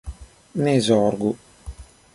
Ne zorgu